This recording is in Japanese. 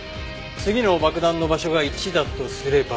次の爆弾の場所が１だとすれば。